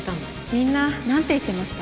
みんななんて言ってました？